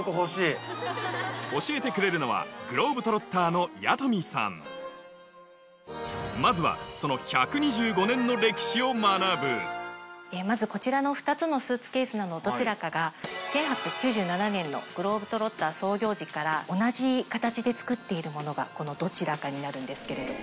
教えてくれるのはまずはそのまずこちらの２つのスーツケースのどちらかが１８９７年のグローブ・トロッター創業時から同じ形で作っているものがこのどちらかになるんですけれど。